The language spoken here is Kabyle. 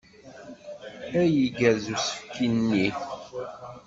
Ay igerrez usefk-nni!